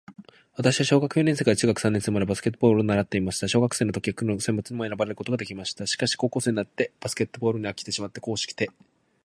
私は小学四年生から中学三年生までバスケットボールを習っていました。小学生の時は区の選抜にも選ばれることができました。しかし、高校生になってからバスケットボールに飽きてしまって硬式テニス部に入部しました。